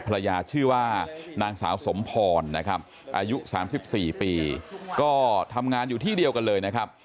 ภรรยาชื่อว่านางสาวสมพรนะครับอายุ๓๔ปีก็ทำงานอยู่ที่เดียวกันเลยนะครับ